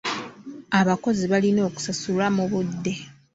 Abakozi balina okusasulwa mu budde.